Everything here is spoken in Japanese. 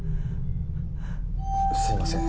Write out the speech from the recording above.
すいません。